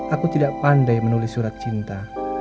aku tidak pandai menulis surat cinta